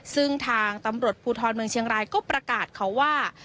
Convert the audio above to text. ซึ่งทางตำรวจภูทรเมืองเชียงรายก็ประกาศเขาว่า